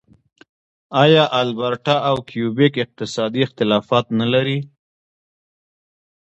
آیا البرټا او کیوبیک اقتصادي اختلافات نلري؟